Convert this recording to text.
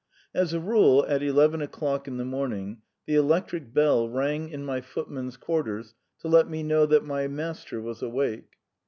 As a rule at eleven o'clock in the morning the electric bell rang in my footman's quarters to let me know that my master was awake.